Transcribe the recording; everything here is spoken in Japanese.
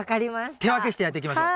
手分けしてやっていきましょう。